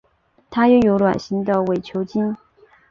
它拥有卵形的伪球茎。